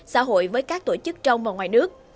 xã hội với các tổ chức trong và ngoài nước